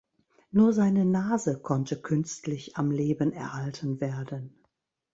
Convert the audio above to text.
Nur seine Nase konnte künstlich am Leben erhalten werden.